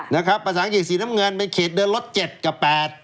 ภาษาอังกฤษสีน้ำเงินบันเขดในรถ๗กับ๘